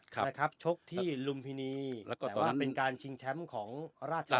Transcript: ครับนะครับชกที่ลุมพินีแล้วก็แต่ว่าเป็นการชิงแชมป์ของราชรัง